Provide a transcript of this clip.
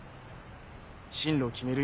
進路を決める